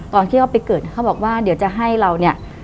ตอนที่เขาไปเกิดเขาบอกว่าเดี๋ยวจะให้เราเนี่ย